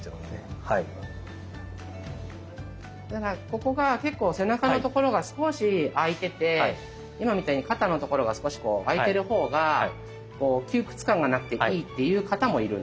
ここが結構背中のところが少し空いてて今みたいに肩のところが少し空いてるほうが窮屈感がなくていいっていう方もいるんです。